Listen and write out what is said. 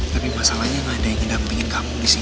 tapi masalahnya gak ada yang ngedampingin kamu disini